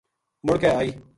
مڑ کے آئی